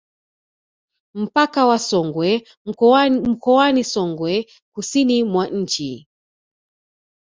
Mpaka wa Songwe mkoani Songwe kusini mwa nchi